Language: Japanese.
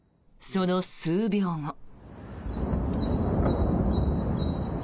その数秒後。